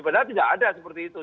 padahal tidak ada seperti itu